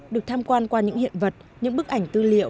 được tham quan qua những hiện vật những bức ảnh tư liệu